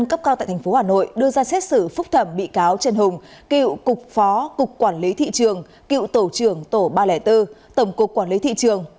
cựu cục phó cục quản lý thị trường cựu tổ trưởng tổ ba trăm linh bốn tổng cục quản lý thị trường